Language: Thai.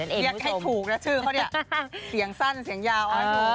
เรียกให้ถูกนะชื่อเขาดีเสียงสั้นเสียงยาว